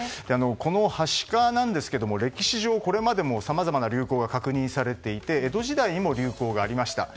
このはしかなんですけれども歴史上、これまでもさまざまな流行が確認されていて江戸時代にも流行がありました。